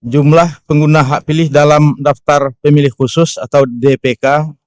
jumlah pengguna hak pilih dalam daftar pemilih khusus atau dpk